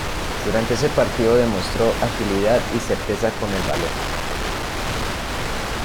Durante ese partido demostró agilidad y certeza con el balón.